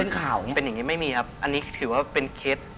เป็นอย่างเงี้ยไม่มีครับอันนี้ถือว่าเป็นเคส